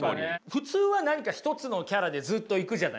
普通は何か一つのキャラでずっといくじゃないですかみんな。